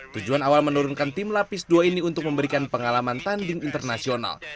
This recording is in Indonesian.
tujuan awal menurunkan tim lapis dua ini untuk memberikan pengalaman tanding internasional